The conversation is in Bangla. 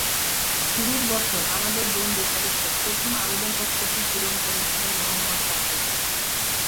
শুরুর বছর আমাদের বন্ধু সদস্যের প্রথম আবেদনপত্রটি পূরণ করেছেন মুহম্মদ জাফর ইকবাল।